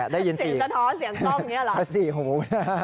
ได้ยินสี่หู